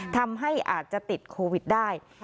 ทำให้อาจจะติดโควิดได้